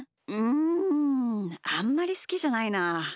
うんあんまりすきじゃないな。